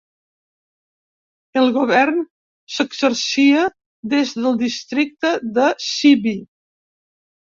El govern s'exercia des del districte de Sibi.